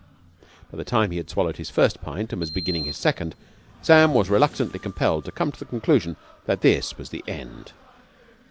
By the time he had swallowed his first pint and was beginning his second, Sam was reluctantly compelled to come to the conclusion that this was the end.